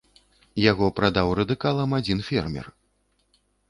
Яго прадаў радыкалам адзін фермер.